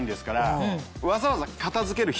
わざわざ。